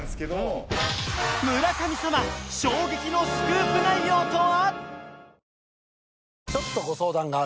村神様衝撃のスクープ内容とは？